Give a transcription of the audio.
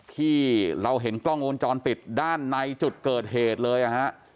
ที่เราเห็นกล้องวงจรปิดด้านในจุดเกิดเหตุเลยนะฮะ